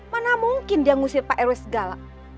mana mungkin dia ngusir pak rw segala